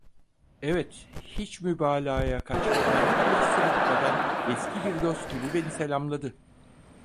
Evet, hiç mübalağaya kaçmadan, hiç sırıtmadan, eski bir dost gibi beni selamladı.